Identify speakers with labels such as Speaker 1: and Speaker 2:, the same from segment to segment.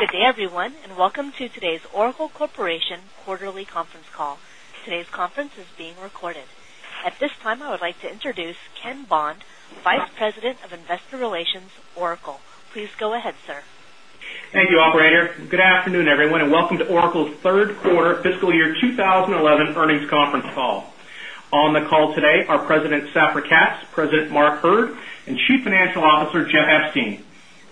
Speaker 1: Good day, everyone, and welcome to today's Oracle Corporation Quarterly Call. Today's conference is being recorded. At this time, I would like to introduce Ken Bond, Vice President of Investor Relations, Oracle. Please go ahead, sir.
Speaker 2: Thank you, operator. Good afternoon, everyone, and welcome to Oracle's Q3 fiscal year 2011 earnings conference call. On the call today are President, Safra Katz President, Mark Hurd and Chief Financial Officer, Jeff Epstein.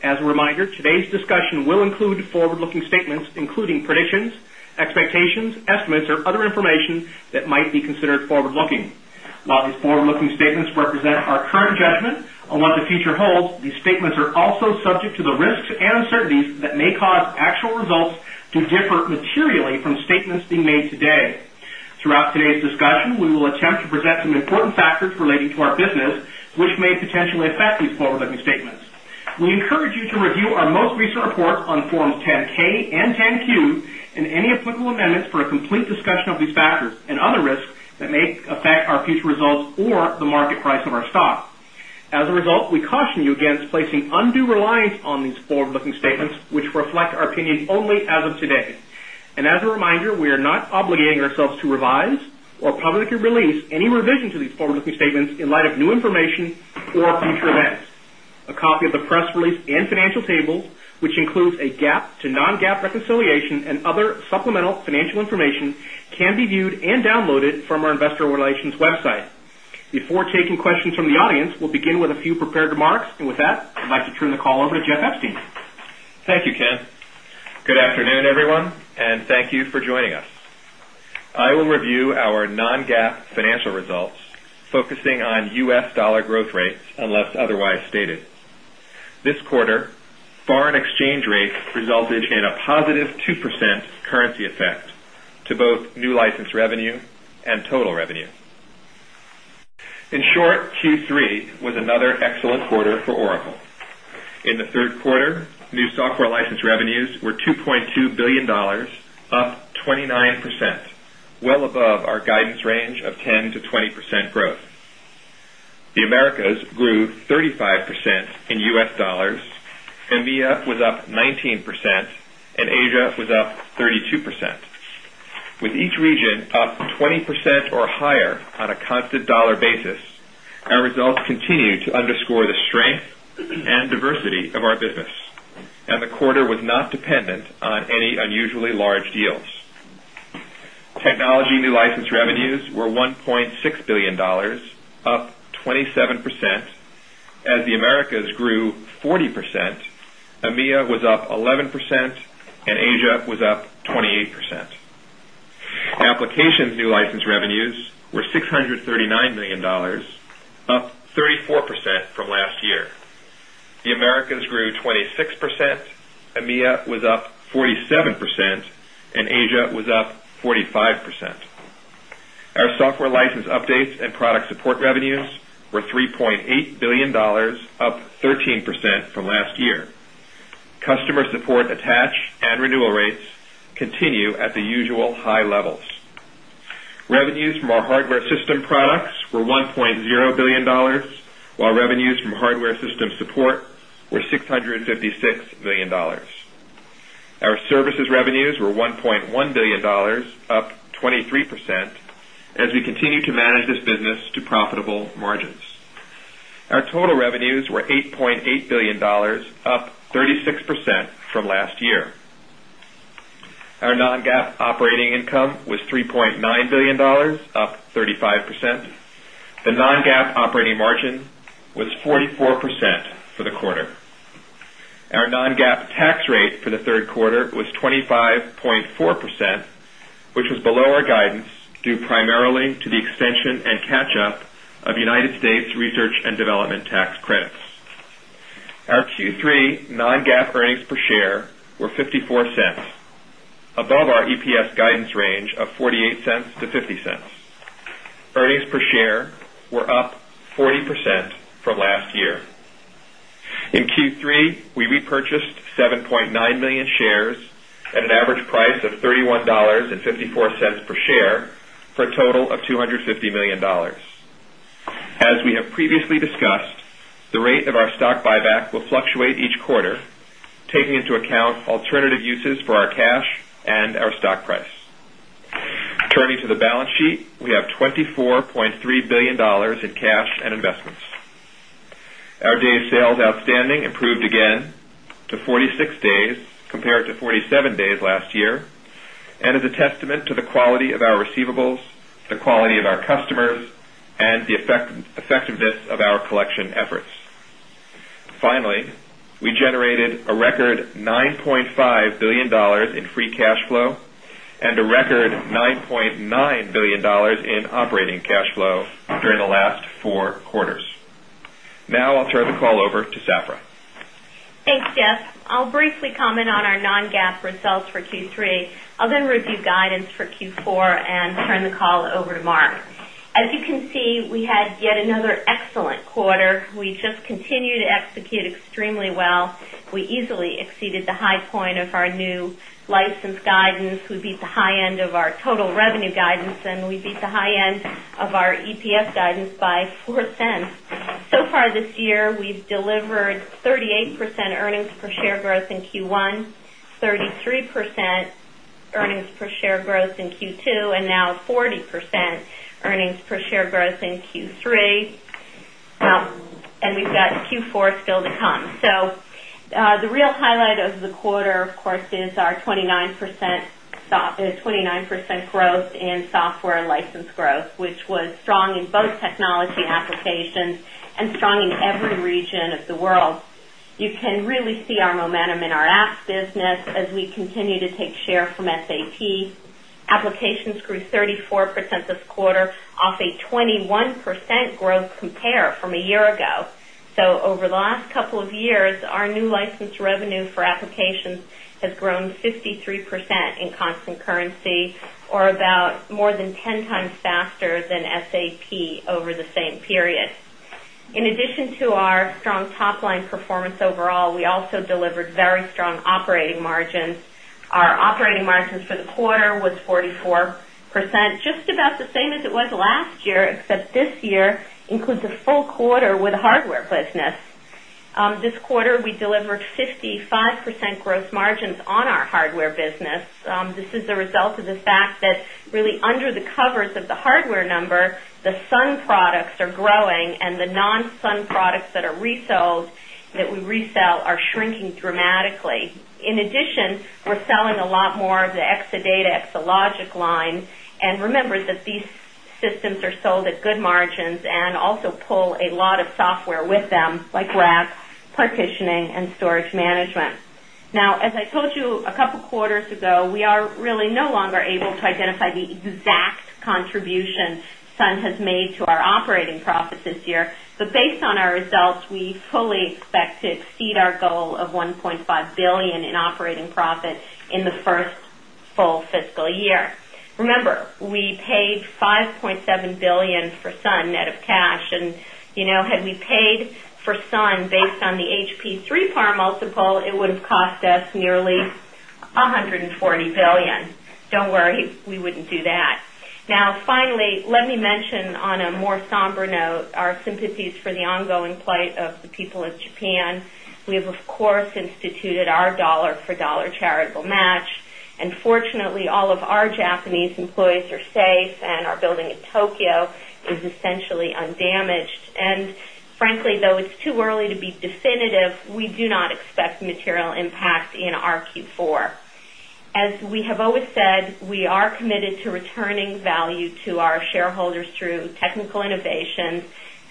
Speaker 2: As a reminder, a reminder, today's discussion will include forward looking statements, including predictions, expectations, estimates or other information that might be considered forward looking. While these forward looking statements represent our current judgment on what the future holds, these statements are also subject to the risks and uncertainties that may cause actual results to differ materially from statements being made today. Throughout today's discussion, we will attempt to present some important factors relating to our business, which may potentially affect these forward looking statements. We encourage you to review our most recent reports on Forms 10 ks and 10 Q and any applicable amendments for a complete discussion of these factors and other risks that may our future results or the market price of our stock. As a result, we caution you against placing undue reliance on these forward looking statements, which reflect our opinion only as of today. And as a reminder, we are not obligating ourselves to revise or publicly release any revision to these forward looking statements in light of new information or future events. A copy of the press release and financial tables, which includes a GAAP to non GAAP reconciliation and other supplemental financial information can be viewed and downloaded from our Investor Relations website. Before taking questions from the audience, we'll begin with a few prepared remarks. And with that, I'd like to turn the call to Jeff Epstein.
Speaker 3: Thank you, Ken. Good afternoon, everyone, and thank you for joining us. I will review our non GAAP financial results focusing on U. S. Dollar growth rates unless otherwise stated. This quarter, foreign exchange rates resulted in a positive 2% currency effect to both new license revenue and total revenue. In short, Q3 was another excellent quarter for Oracle. In the Q3, new software license revenues were 2,200,000,000 dollars up 29 percent, well above our guidance range of 10% to 20% growth. The Americas grew 35 percent in U. S. Dollars, EMEA was up 19% and Asia was up 32 underscore the strength and diversity of our business. And the quarter was not dependent on any unusually large deals. Technology new license revenues were 1.6 $1,000,000,000 up 27 percent as the Americas grew 40%, EMEA was up 11% and Asia was up 28%. Applications new license revenues were $639,000,000 up 34% from last year. The Americas grew 26%, EMEA was up 47% and Asia was up 45%. Our software license updates and product support revenues were 3 point 8 hardware system products were $1,000,000,000 while revenues from hardware system support were $656,000,000 Our services revenues were $1,100,000,000 up 23% as we continue to manage this business to profitable margins. Our total revenues were $8,800,000,000 up 36% from last year. Our non GAAP operating income was $3,900,000,000 up 35 percent for the quarter. Our non GAAP tax rate for the 3rd quarter was 25.4%, which was below our guidance due primarily to the extension and catch up of United States research and development tax credits. Our Q3 non GAAP earnings per share were $0.54 above our EPS guidance range of $0.48 to $0.50 Earnings per share were up 40% from last year. In Q3, we repurchased 7,900,000 shares at an average price of $31.54 per share for a total of $250,000,000 As we have previously the rate of our stock buyback will fluctuate each quarter, taking into account alternative uses for our cash and our stock price. Turning to the balance sheet, we have $24,300,000,000 in cash and investments. Our days sales outstanding improved again to 46 days compared to 47 days last year and is a testament to the quality of our receivables, the quality of our customers and the effectiveness of our collection efforts. Finally, we generated a record $9,500,000,000 in free cash flow and a record $9,900,000,000 in operating cash flow
Speaker 4: results for Q3. I'll then review guidance for Q4 and turn the call over to Mark. As you can see, we had yet another excellent quarter. We just continue to execute extremely well. We easily exceeded the high point of our new license guidance. We beat the high end of our total revenue guidance and we beat the high end of our EPS guidance by 0 point 04 38% earnings per share growth in Q1, 33% earnings per share growth in Q2 and now 40% earnings per share growth in Q3. And we've got Q4 still to come. So the real highlight of the quarter, of course, is our 29% growth in software license growth, which was strong in both technology applications and strong in every region of the world. You can really see our momentum in our apps business as we continue to take share from SAP. Applications grew 34% this quarter, period. In addition to our strong top line performance overall, we also delivered very strong operating margins. Our operating margin for the quarter was 44%, just about the same as it was last year, except this year includes a full quarter with hardware business. This quarter we delivered 55% gross margins on our hardware business. This is a result of the fact that really under the covers of the hardware number, the sun products are growing and the non sun products that are resold that we resell are shrinking dramatically. In addition, we're selling a lot more of the Exadata, Exalogic line. And remember that these systems are sold at good margins and also pull a lot of software with them like RAS, partitioning and storage management. Now as I told you a couple of quarters ago, we are really no longer able to identify the exact contribution Sun has made to our operating profit this year. But based on our results, we fully expect to exceed our goal of $1,500,000,000 in operating profit in the first full Sun based on the HP 3PAR multiple, it would have cost us nearly $140,000,000,000 Don't worry, we wouldn't do that. Now finally, let me mention on a more somber note, our sympathies for the ongoing plight of the people of Japan. We have, of course, instituted our dollar for charitable match. And fortunately, all of our Japanese employees are safe and our building in Tokyo is essentially un damaged. And frankly, though it's too early to be definitive, we do not expect material impact in our Q4. As we have always said, we are committed to returning value to our shareholders through technical innovation,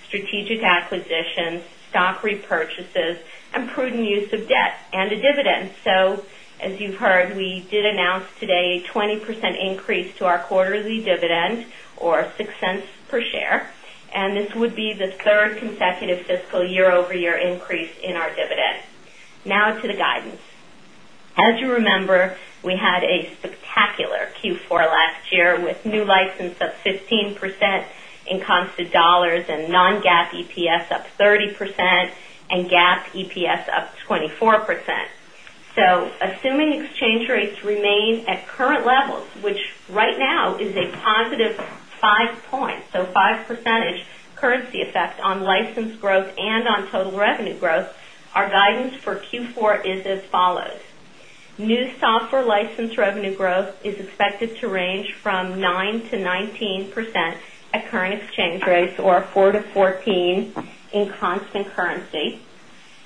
Speaker 4: strategic acquisitions, stock repurchases and prudent use of debt and a dividend. So as you've heard, we did announce today a 20% increase to our quarterly dividend or $0.06 per share. And this would be the 3rd consecutive fiscal year over year increase in our dividend. Now to the guidance. As you remember, we had a spectacular Q4 last year with new license of 15% in constant dollars and non GAAP EPS up 30% and GAAP EPS up 24%. So assuming exchange rates remain at current levels, which right now is a positive 5 point, so 5 percent currency effect on license growth and on total revenue growth, our guidance for Q4 is as follows. New software license revenue growth is expected to range from 9% to 19% at current exchange rates or 4% to 14% in constant currency.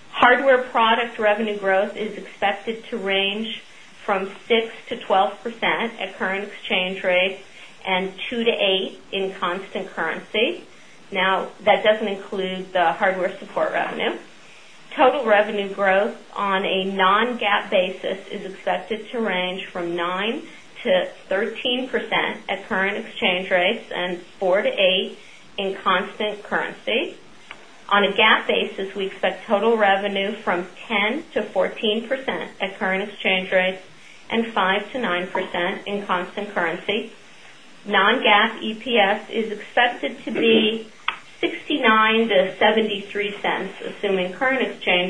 Speaker 4: Hardware product revenue growth is expected to range from 6% to 12% at current exchange rates and 2% to 8% in constant currency. Now that doesn't include the hardware to 13% at current exchange rates and 4% to 8% in constant currency. On a GAAP basis, we expect total revenue from 10% to 14% at current exchange rates and 5% to 9% in constant currency. Non GAAP EPS is expected to be $0.69 to 0 point 7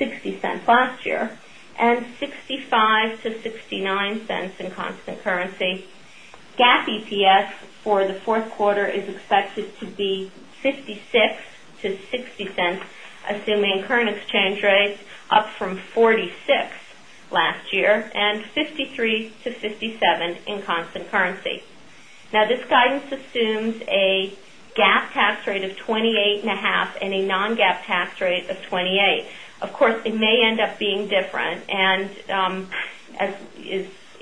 Speaker 4: $0.60 last year and $0.65 to $0.69 in constant currency. GAAP EPS for the 4th quarter is expected to be 0 point current exchange rates up from $0.46 last year and $0.53 to $0.57 in constant currency. Now this guidance assumes a GAAP tax rate of 28.5% and a non GAAP tax rate of 28%. Of course, it may end up being different. And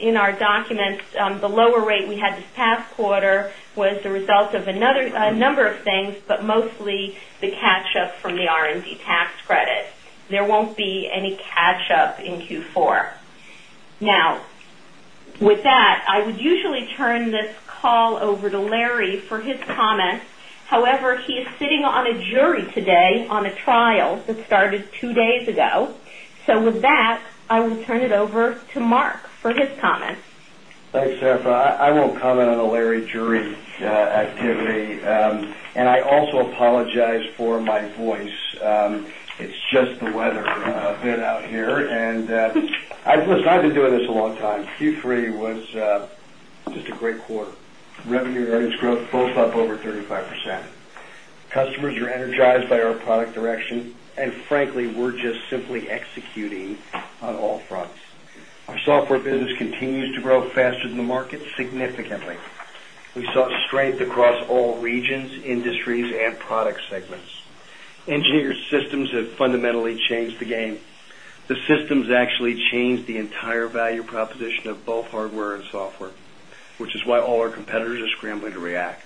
Speaker 4: in our documents, the lower rate we had this past quarter was the result of another number of things, but mostly the catch up from the R and D tax credit. There won't be any catch up in Q4. Now with that, I would usually turn this call over to Larry for his comments. However, he is sitting on a jury today on a trial that started 2 days ago. So with that, I will turn it over to Mark for his comments.
Speaker 5: Thanks, Sarah. I won't comment on the jury activity. And I also apologize for my voice. It's just the weather a bit out here. And listen, I've been doing this a long time. Q3 was just a great quarter. Revenue earnings growth both up over 35%. Customers are energized by our product direction and frankly, we're just simply executing on all fronts. Our software business continues to grow faster than the market significantly. We saw strength across all regions, industries and product segments. Engineered systems have fundamentally changed the game. The systems actually changed the entire value proposition of both hardware and software, which is why all our competitors are scrambling to react.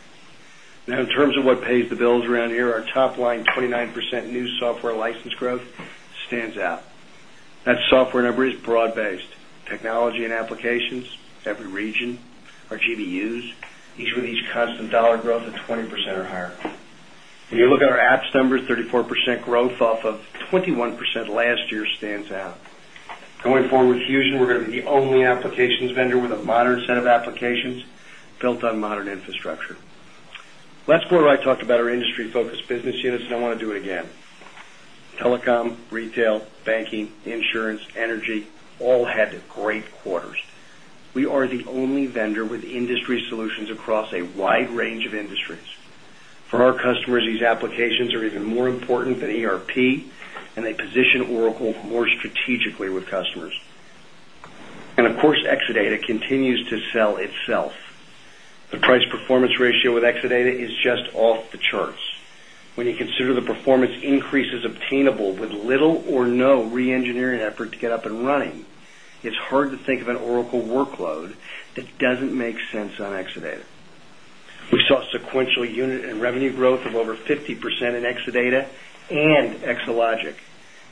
Speaker 5: Now in terms of what pays the bills around here, our top line 29% new software license growth stands out. That software number is broad based. Each constant dollar growth of 20% or higher. If you look at our apps numbers, 34% growth off of 21% last year stands out. Going forward, Fusion, we're going to be the only applications vendor with a modern set of applications built on modern infrastructure. Last quarter, I talked about our industry focused business units, and I want to do it again. Telecom, retail, banking, insurance, energy all had great quarters. We are the only vendor with industry solutions across a wide range of industries. For our customers, these applications are even more important than ERP and they position Oracle more strategically with customers. And of course, Exadata continues to sell itself. The price performance ratio Exadata is just off the charts. When you consider the performance increases obtainable with little unit and revenue growth of over 50% in Exadata and Exologic.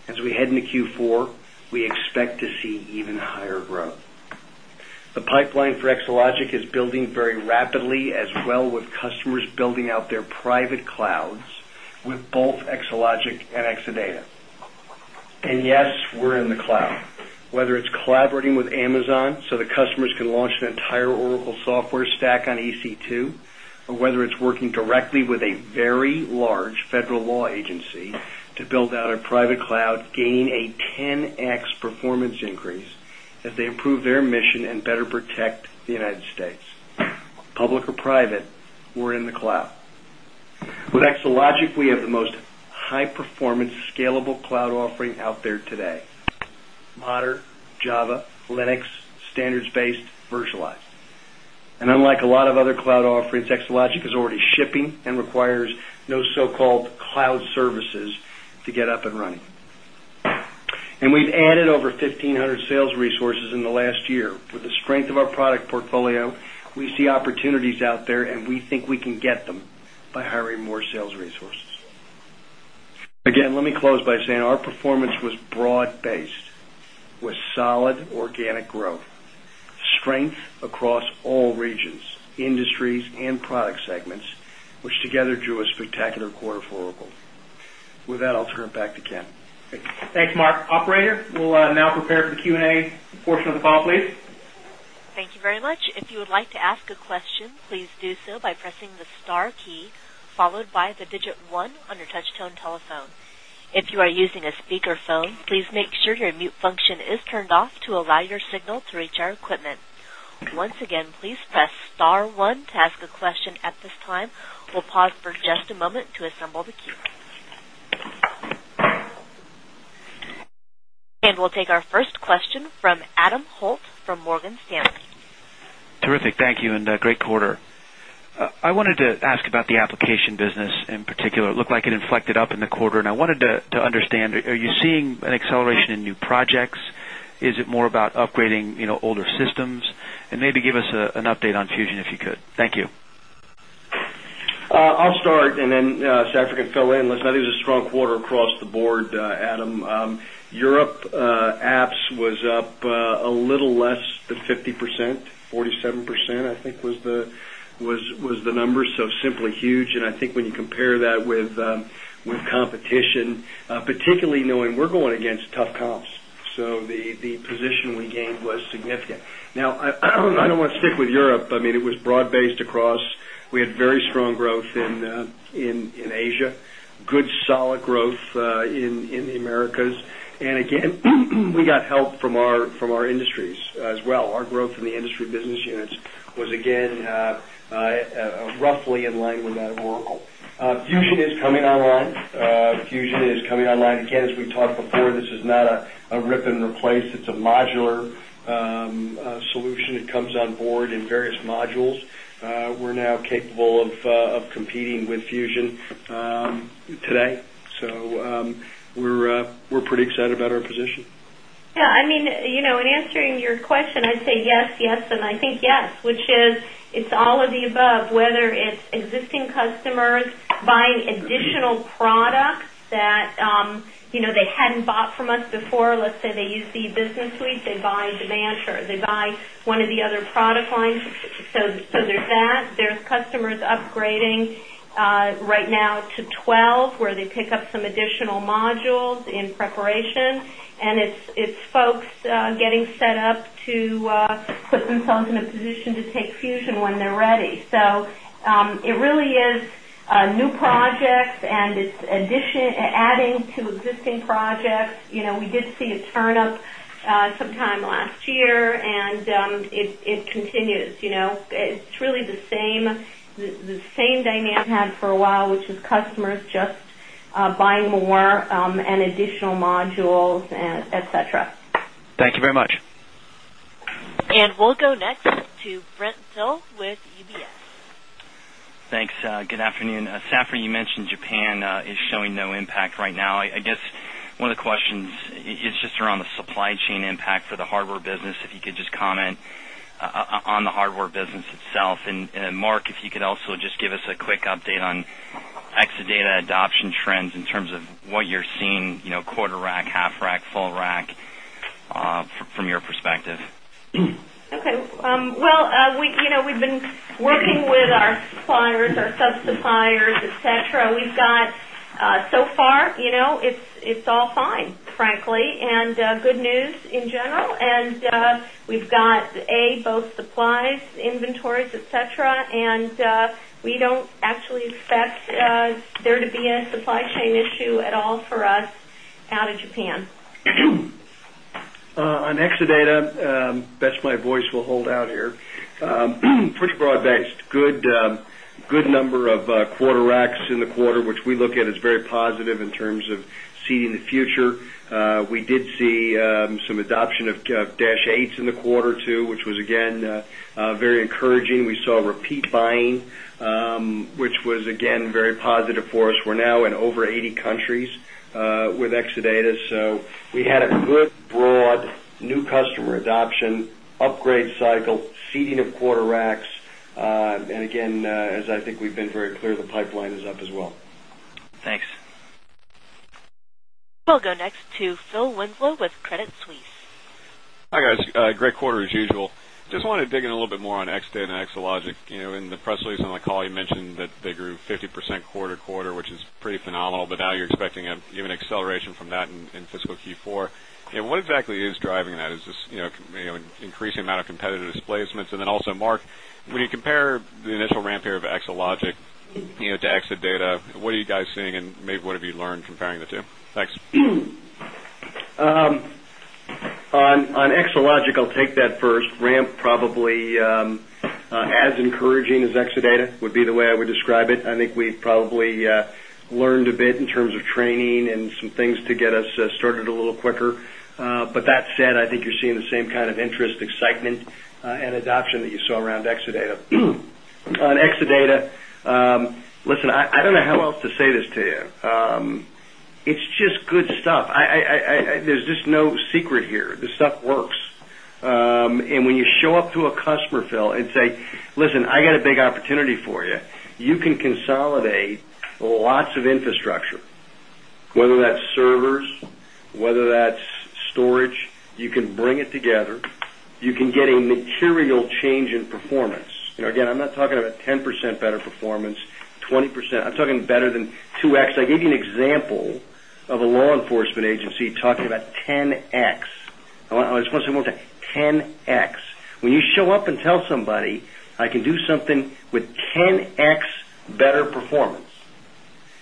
Speaker 5: As we head into Q4, we expect to see even higher growth. The pipeline for Exologic is building very rapidly as well with customers building out their private clouds with both Exologic and Exadata. And yes, we're in the cloud, whether it's collaborating with Amazon so the customers can launch an entire Oracle software stack on EC2 or whether it's working directly with a very large federal law agency to build out a private cloud gain a 10x performance increase as they improve their mission and better protect the United States. Public or private, we're in the cloud. With Exelogic, we have the most high performance of other cloud offerings, XLogic is already shipping and requires no so called cloud services to get up and running. And we've added over 1500 sales resources in the last year. With the strength of our product portfolio, we see opportunities out there and we think we can get them by hiring more sales resources. Again, let me close by saying our performance was broad based with solid organic growth, strength across all regions, industries and product segments, which together drew a spectacular quarter for Oracle. With that, I'll turn it back to Ken.
Speaker 2: Thanks, Mark. Operator, we'll now prepare for the Q and A portion of the call, please.
Speaker 1: Thank you very much. And we'll take our first question from Adam Holt from Morgan Stanley.
Speaker 6: Terrific. Thank you and great quarter. I wanted to ask about the application business in particular. It looked like it inflected up in the quarter. And I wanted to understand, are you seeing update on Fusion if you could. Thank you.
Speaker 5: I'll start and then Safran can fill in. Listen, I think it was a strong quarter across the board, Adam. Europe apps was up a little less 50%, 47%, I think was the number, so simply huge. And I think when you compare that with competition, particularly knowing we're going against tough comps. So the position we gained was significant. Now I don't want
Speaker 2: to stick with Europe.
Speaker 5: I mean, it was broad based across. We had strong growth in Asia, good solid growth in the Americas. And again, we got help from our industries as well. Our growth in the industry business units was again roughly in line with that Oracle. Fusion is coming online. Fusion is coming online. Again, as we talked before, this is not a rip and replace. It's a today. So we're pretty excited about our position.
Speaker 4: Yes. I mean, in answering your question, I'd say yes, and I think yes, which is it's all of the above, whether it's existing customers buying additional products that they hadn't bought from us before, let's say, they use the Business Suite, they buy Devansher, they buy 1 of the other product lines. So there's that. There's customers upgrading. Additional modules in preparation. And it's folks getting set up to put themselves in a position to take fusion when they're ready. So it really is new projects and it's adding to existing projects. We did see turn up sometime last year and it continues. It's really the same dynamic we had for a while, which is customers just buying more and additional modules and etcetera.
Speaker 7: Thank you very much.
Speaker 1: And we'll go next to Brent Thill with UBS.
Speaker 8: Thanks. Good afternoon. Safran, you mentioned Japan is showing no impact right now. I guess, one of the questions is just around the supply chain impact for the hardware business. If you could just comment on the hardware business itself? And Mark, if you could also just give us a quick update on Exadata adoption trends in terms of what you're seeing quarter rack, half rack, full rack from your perspective?
Speaker 4: Okay. Well, we've been working with our suppliers, our sub suppliers, etcetera. We've got so far, it's all fine, frankly, and good news in general. And we've got A, both supplies, inventories, etcetera. And we don't actually expect there to be a supply chain issue at all for us out of Japan.
Speaker 5: On Exadata, best my voice will hold out here. First broad based, good number of quarter recs in the quarter, which we look at as very positive in terms of seeding the future. We did see some adoption of -8s in the quarter too, which was again very encouraging. We saw repeat buying, which was again very positive for us. We're now in over 80 countries with Exadata. So we had a good broad new customer adoption, upgrade cycle, seeding of quarter racks. And again, as I think we've been very clear, the pipeline is up as
Speaker 8: well. Thanks.
Speaker 1: We'll go next to Phil Winslow with Credit Suisse.
Speaker 9: Hi, guys. Great quarter as usual. Just wanted to dig in a little bit more on XState and Xologic. In the press release and the call you mentioned that they grew 50% quarter to quarter, which is pretty phenomenal, but now you're expecting an acceleration from that in fiscal Q4. What exactly is driving that? Is this an increasing amount of competitive displacements? And then also, Mark, when you compare the initial ramp here of Exelogic to Exelogic data, what are you guys seeing and maybe what have you learned comparing the 2? Thanks.
Speaker 5: On Exalogical, take that first ramp probably as encouraging as Exadata would be the way I would describe it. I think we probably learned a bit in terms of training and some things to get us started a little quicker. But that said, I think you're seeing the same kind of interest, excitement and adoption that you saw around Exadata. On Exadata, listen, I don't know how else to say this to you. It's just good stuff. There's just no secret here. This stuff works. And when you show up to a customer, Phil, and say, listen, I got a big opportunity for you. You can consolidate lots of infrastructure, whether that's servers, whether that's storage, you can bring it together, you can a material change in performance. Again, I'm not talking about 10% better performance, 20%, I'm talking better than 2x. I gave you an example of a law enforcement agency talking about 10x. I just want to say more, 10x. When you show up and tell somebody, I can do something with 10x better performance.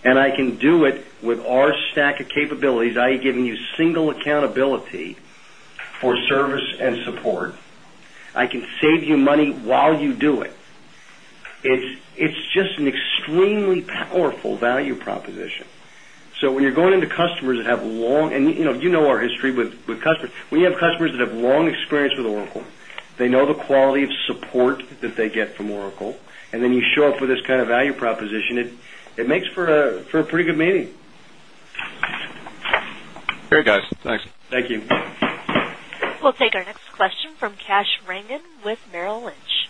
Speaker 5: And I can do it with our stack of capabilities. I've given you single accountability for service and support. I can save you money while you do it. It's just an extremely powerful value proposition. So when you're going into customers that have long and you know our history with customers. We have customers that have long experience with Oracle. They know the quality of support that they get from Oracle. And then you show up with this kind of value proposition, it makes for a pretty good meaning.
Speaker 9: Great, guys. Thanks.
Speaker 2: Thank you.
Speaker 1: We'll take our next question from Kash Rangan with Merrill Lynch.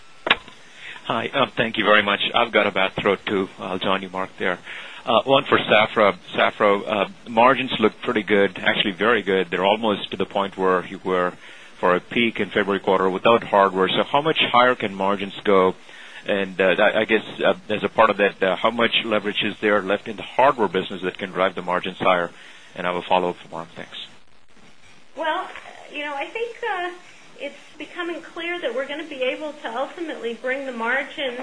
Speaker 6: Hi. Thank you very much. I've got a bad throat too. I'll join you Mark there. One for Safra. Safra, margins look pretty good, actually very good. They're almost to the point where you were for a peak in February quarter without hardware. So how much higher can margins go? And I guess as a part of that, how much leverage is there left in the hardware business that can drive the margins higher? And I have a follow-up for Marm. Thanks.
Speaker 4: Well, I think it's becoming clear that we're going to be able to ultimately bring the margins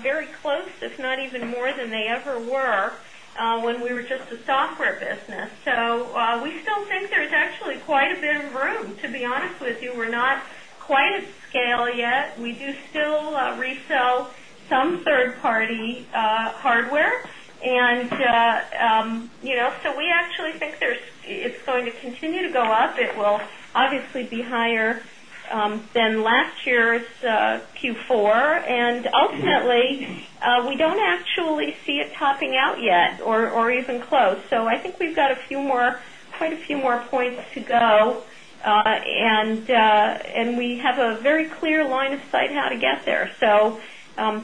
Speaker 4: very close, if not even more than they ever were when we were just a software business. So we still think there's actually quite a bit of room to be honest with you. We're not quite at scale yet. We do still resell some third party hardware. And so we actually think there's it's going to continue to go up. It will obviously be higher than last year's Q4. And ultimately, we don't actually see it topping out yet or even close. So I think we've got a few more quite a few more points to go. And we have a very clear line of sight how to get there. So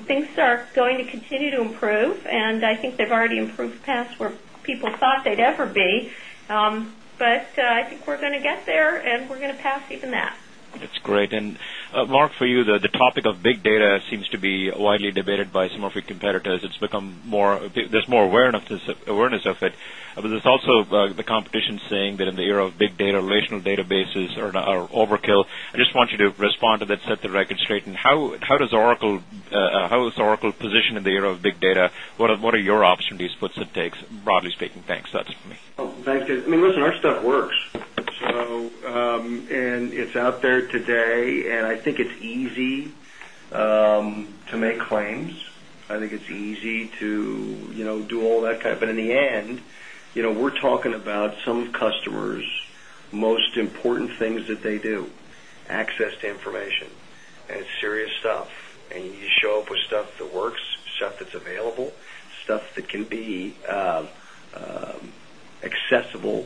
Speaker 4: things are going to continue to improve. And I think they've already improved past where people thought they'd ever be. But I think we're going to get there and we're going to pass even that.
Speaker 6: That's great. And Mark for you, the also the competition saying that in the era of big data relational databases are also the competition saying that in the era of big data relational databases are overkill. I just want you to respond to that set the record straight. And how does Oracle how is Oracle positioned in the era of big data? What are your opportunities, puts and takes broadly speaking? Thanks. That's me.
Speaker 5: Thanks, Jason. I mean, listen, our stuff works. So and it's out there today. And I think it's easy to make claims. I think it's easy to do all that kind of, but in the end, we're talking about some customers' most important things that they do, important things that they do, access to information and it's serious stuff and you show up with stuff that works, stuff that's available, stuff that can be accessible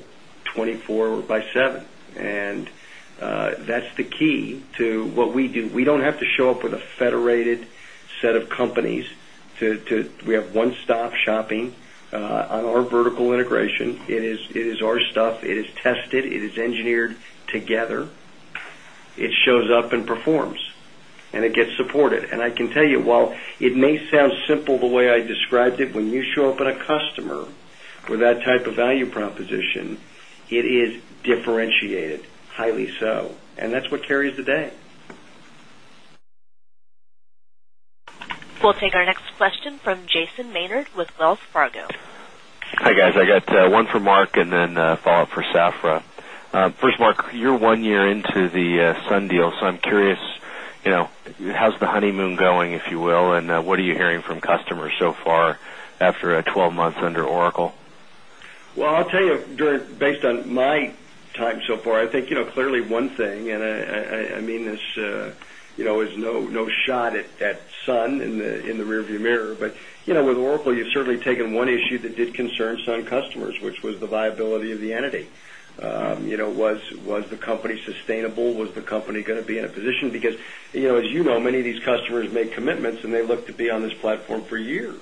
Speaker 5: 24x7. And that's the key to what we do. We don't have to show up with a federated set of companies to we have one stop shopping on our vertical integration. It is our stuff. It is tested. It is engineered together. It shows up and performs and it gets supported. And I can tell you, while it may sound simple the way I described it, when you show up at a customer with that type of value proposition, it is differentiated, highly so. And that's what carries the day.
Speaker 1: We'll take our next question from Jason Maynard with Wells Fargo.
Speaker 7: Hi, guys. I got one for Mark and then a follow-up for Safra. First, Mark, you're 1 year into the Sun deal. So I'm curious, how's the honeymoon going, if you will? And what are you hearing from customers so far after a 12 months under Oracle?
Speaker 5: Well, I'll tell you based on my time so far, I think clearly one thing and I mean this is no shot at Sun in the rearview mirror. But with Oracle, you've certainly taken one issue that did concern SUN customers, which was the viability of the entity. Was the company sustainable? Was the company going to be in a position? Because as you know, many of these customers make commitments and they look to be on this platform for years.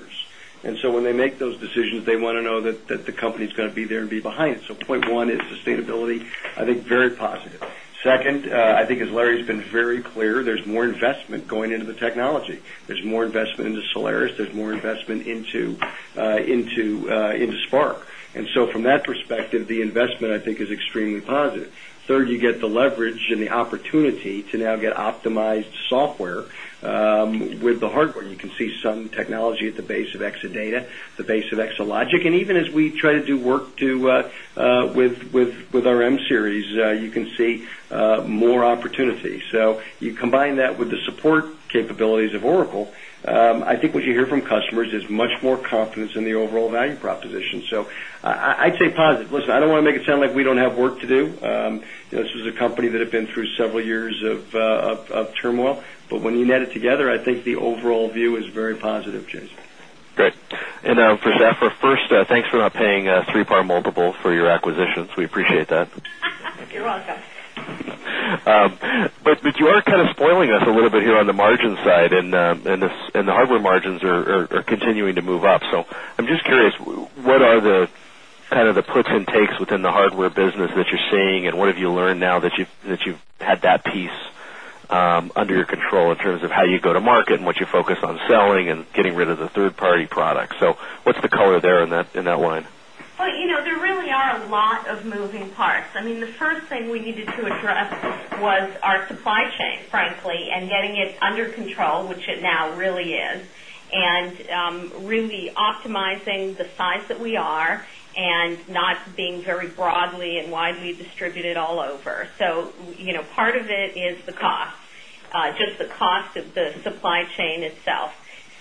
Speaker 5: And so when they make those decisions, they want to know that the company is going to be there and be behind it. So point 1 is sustainability, I think very positive. 2nd, I think as Larry has been very clear, there's more investment going into the technology. There's more investment into Solaris. There's more investment into Spark. And so from that perspective, the investment, I think, is extremely positive. 3rd, you get the leverage and the opportunity to now get optimized software with the hardware. You can see some technology at the base of Exadata, the base of Exalogic. And even as we try to do work with our M Series, you can see more opportunity. So, you combine that with the support capabilities of Oracle, I think what you hear from customers is much more confidence in the overall value proposition. So I'd say positive. Listen, I don't want to make it sound like we don't have work to do. This is a company that had been through several years of turmoil. But when you net it together, I think the overall view is very positive, Jason.
Speaker 7: Great. And for Saffir, first, thanks for not paying 3 par multiple for your acquisitions. We appreciate that.
Speaker 1: You're welcome.
Speaker 7: But you are kind of spoiling us a little bit here on the margin side and the hardware margins are continuing to move up. So I'm just curious what are the kind of the puts and takes within the hardware business that you're seeing? And what have you learned now that you've had that piece under your control in terms of how you go to market and what you focus on selling and getting rid of the 3rd party products. So what's the color there in that line?
Speaker 4: Well, there really are a lot of moving parts. I mean, the first thing we needed to address was our supply chain, frankly, and getting it under control, which it really optimizing the size that we are and not being very broadly and widely distributed all over. So part of it is the cost, just the cost of the supply chain itself.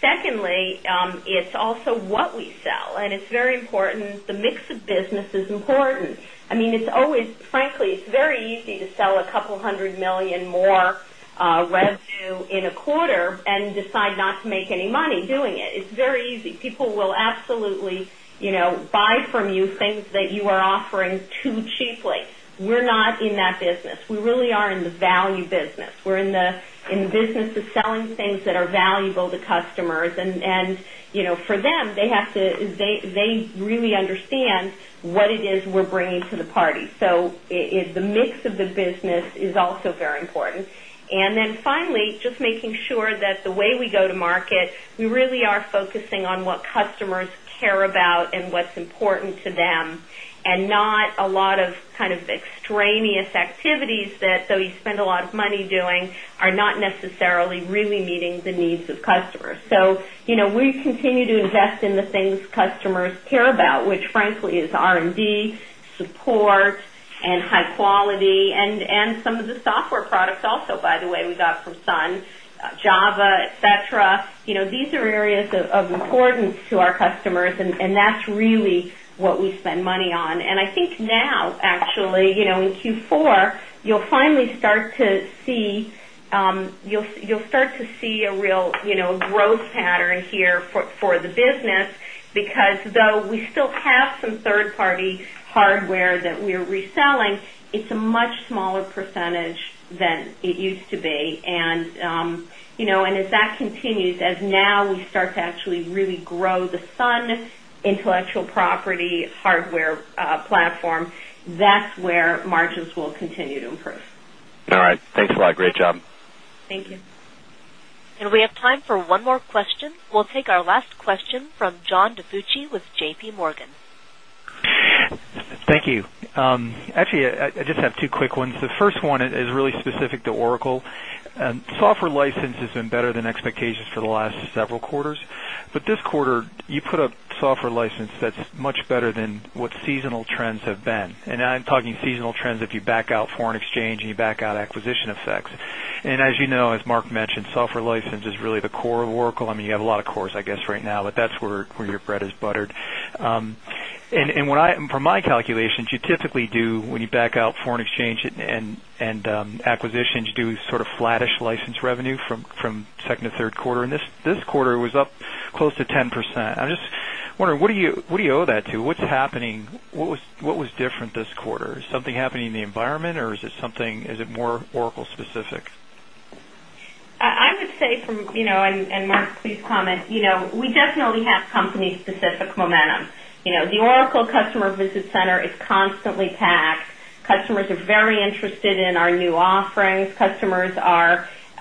Speaker 4: Secondly, it's also what we sell. And it's very important. The mix of business is important. I mean, it's always frankly, it's very easy to sell a couple of 100,000,000 more revenue in a quarter and decide not to make any money doing it. It's very easy. People will absolutely buy from you things that you are offering too cheaply. We're not in that business. We really are in the value business. We're the business of selling things that are valuable to customers. And for them, they have to they really understand finally, just making sure that the way we go to market, we really are focusing on what customers care about and what's important to them and not a lot of kind of extraneous activities that though we spend a lot of money doing are not necessarily really meeting the needs of customers. So we continue to invest in the things customers care about, which frankly is R and D, support and high quality and some of the importance to our customers and that's really what we spend money on. And I think now actually in Q4, you'll finally start to see you'll a real growth pattern here for the business because though we still have some third party hardware that we are reselling, it's a much smaller percentage than it used to be. And as that continues, as now we start to actually really grow the Sun intellectual property hardware platform, where margins will continue to improve.
Speaker 7: All right. Thanks a lot. Great job.
Speaker 4: Thank you.
Speaker 1: And we have time for one more question. We'll take our last question from John DiFucci with JPMorgan.
Speaker 10: Thank you. Actually, I just have two quick ones. The first one is really specific to Oracle. Software license has been better than expectations for the last several quarters. But this quarter, you put up software license that's much better than what seasonal trends have been. And I'm talking seasonal trends if you back out foreign exchange and you back out acquisition effects.
Speaker 5: And as you know, as Mark mentioned, software license is really the core
Speaker 10: And from my calculations, you typically do when you back out foreign exchange and acquisitions, you do sort of flattish license revenue from 2nd to 3rd quarter. And this quarter was up close to 10%. I'm just wondering what do you owe that to? What's happening? What was different this quarter? Is something happening in the environment? Or is it something is it more Oracle specific?
Speaker 4: I would say from and Mark, please comment. We definitely have company specific momentum. The Oracle customer visit center is constantly packed. Customers are very interested in our new offerings. Customers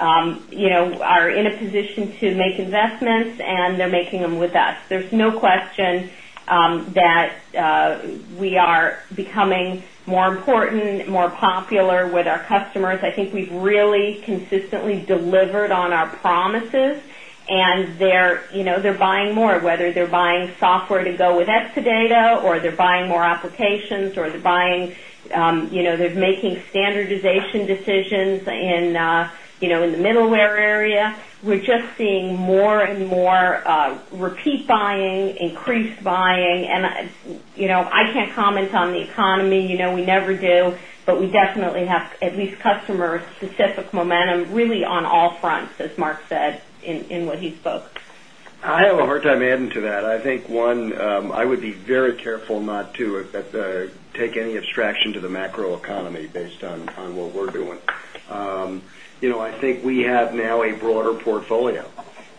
Speaker 4: are in a position to make investments and they're making them with us. There's no question that we are becoming more important, more popular with our customers. I think we've really consistently delivered on our promises and they're buying more, whether they're buying software to go with Exadata or they're buying applications or they're buying they're making standardization decisions in the middle area. We're just seeing more and more repeat buying, increased buying. And I can't comment on the economy. We never do. But we definitely have at least customer specific momentum really on all fronts, as Mark said, in what he spoke.
Speaker 5: I have a hard time adding to that. I think, one, I would be very careful not to take any abstraction to the macro economy based on what we're doing. I think we have now a broader portfolio.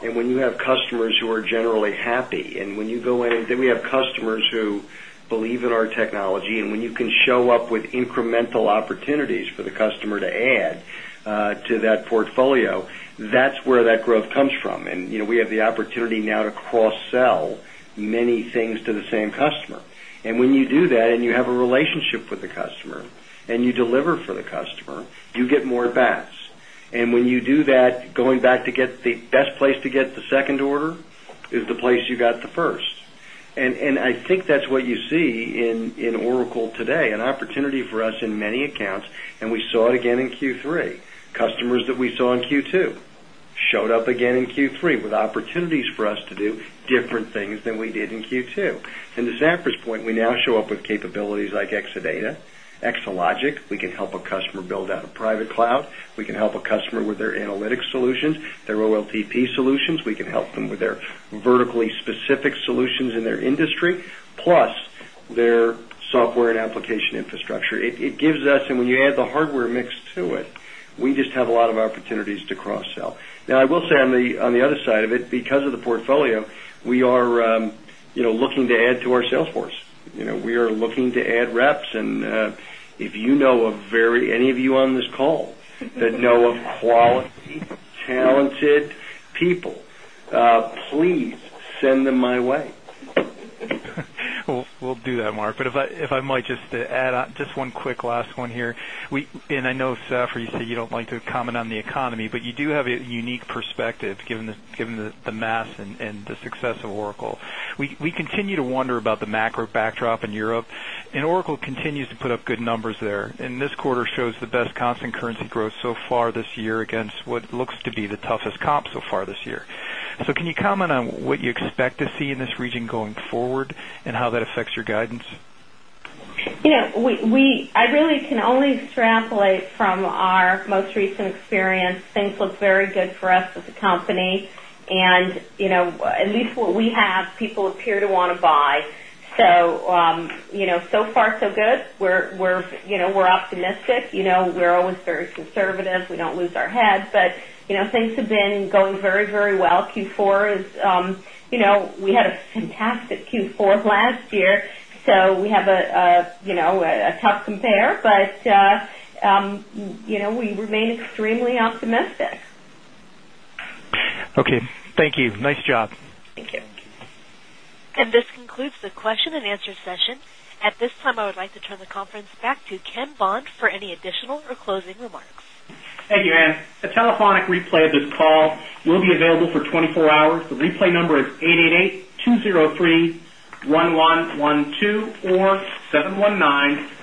Speaker 5: And when you have customers who are generally happy and when you go in and then we have customers who believe in our technology and when you can show up with incremental opportunities for the customer to add to that portfolio, that's where that growth comes from. And we have the opportunity now to cross sell many things to the same customer. And when you do that and you have a relationship with the customer and you deliver for the customer, you get more that, going back to get the best place to get the second order is the place you got the first. And I think that's what you see in Oracle today, an opportunity for us in many accounts and we saw it again in Q3. Customers that we saw in Q2 showed up again in Q3 with opportunities for us to do different things than we did in Q2. And to Zafra's point, we now show up with capabilities like Exadata, Exalogic, we can help a customer build out a private cloud, we can help a customer with their analytics solutions, their OLTP solutions, can help them with their vertically specific solutions in their industry, plus their software and application infrastructure. It gives us and when you add the hardware mix to it, we just have a lot of opportunities to cross sell. Now I will say on the side of it, because of the portfolio, we are looking to add to our sales force. We are looking to add reps. And if you know a very any of
Speaker 7: comment
Speaker 10: on the to comment on the economy, but you do have a unique perspective given the mass and the success of Oracle. We continue to wonder about the macro backdrop in Europe. And macro backdrop against what looks to be the toughest comp so far this year. So can you comment on what you expect to see in this region going forward and how that affects very good
Speaker 4: for us as a company. And at least, we very good for us as a company. And at least what we have people appear to want to buy. So, so far so good. We're optimistic. We're always very conservative. We don't lose our head. But things have been going very, very well. Q4 is we had a fantastic Q4 last year. So we have a tough compare, but we remain extremely optimistic.
Speaker 2: Okay. Thank you. Nice job. Thank you.
Speaker 1: And this concludes the question and answer session. At this time, I would like to turn the conference back to Ken Bond for any additional or closing remarks.
Speaker 2: Thank you, Anne. A telephonic replay of this call will be available for 24 hours. The replay number is 888-203-1112
Speaker 3: or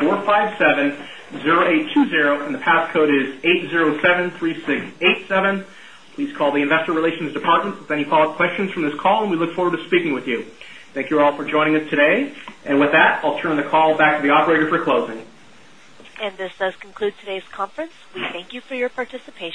Speaker 3: 719-457-0820
Speaker 4: and the
Speaker 2: pass 687. Please call the Investor Relations department with any follow-up questions from this call and we look forward to speaking with you. Thank you all for joining us today. And with that, I'll turn the call back to the operator for closing.
Speaker 1: And this does conclude today's conference. We thank you for your participation.